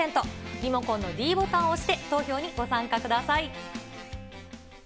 リモコンのｄボタンを押して、投票にご参加ください。